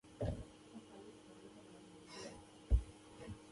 د کوکنارو شیره د درد لپاره وکاروئ